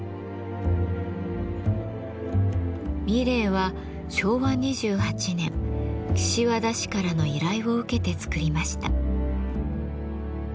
三玲は昭和２８年岸和田市からの依頼を受けて作りました。